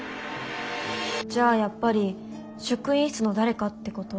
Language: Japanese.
じゃあやっぱり職員室の誰かってこと？